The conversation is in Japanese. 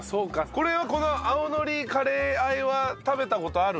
これはこの青のりカレー和えは食べた事ある？